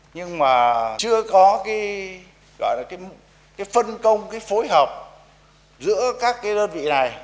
nhưng mà chưa có cái phân công cái phối hợp giữa các đơn vị này